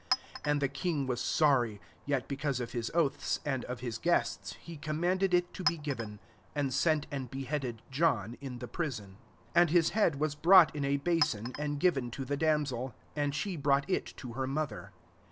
9 And the king was sorry ; yet, because of hb oaths> and of his guests, be commanded is to be given ; 10 and sent imd beheaded John in the prison* 11 And his head vas brought in a basin^ and giv €Xk to the damsel : 12 and she brought it to her mother.